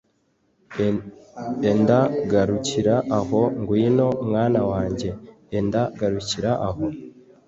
enda garukira aho ngwino mwana wanjye, enda garukira aho